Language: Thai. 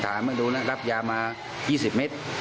มาดูนะรับยามา๒๐เมตร